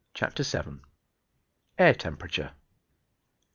CHAPTER VII. AIR TEMPERATURE.